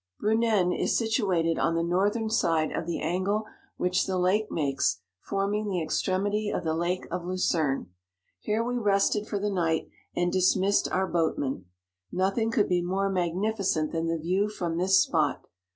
Brunen is situated on the northern side of the angle which the lake makes, forming the extremity of the lake of Lu cerne. Here we rested for the night, and dismissed our boatmen. Nothing could be more magnificent than the view from this spot.